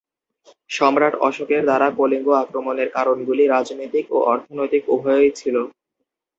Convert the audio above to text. সম্রাট অশোকের দ্বারা কলিঙ্গ আক্রমণের কারণগুলি রাজনৈতিক ও অর্থনৈতিক উভয়ই ছিল।